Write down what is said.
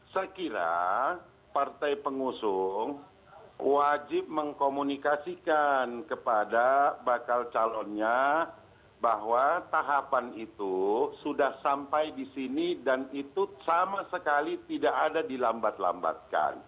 saya kira partai pengusung wajib mengkomunikasikan kepada bakal calonnya bahwa tahapan itu sudah sampai di sini dan itu sama sekali tidak ada dilambat lambatkan